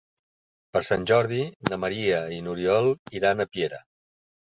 Per Sant Jordi na Maria i n'Oriol iran a Piera.